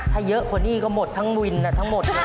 ถ้าเยอะกว่านี้ก็หมดทั้งวินทั้งหมดเลย